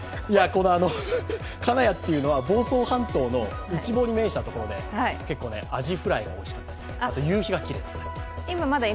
金谷というのは房総半島の内房に面したところでアジフライがおいしかったり夕日がきれいだったり。